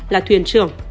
là thuyền trưởng